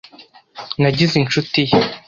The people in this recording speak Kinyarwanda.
Nagize inshuti ye.